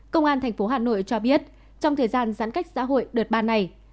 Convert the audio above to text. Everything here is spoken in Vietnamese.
công an tp hà nội cho biết trong thời gian giãn cách xã hội đợt ba này